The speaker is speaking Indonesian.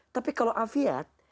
tapi kalau afiat